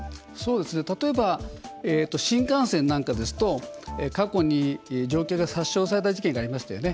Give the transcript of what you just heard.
例えば新幹線なんかですと過去に乗客が殺傷された事件がありましたよね。